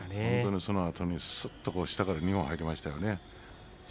そのあと下から二本入りました。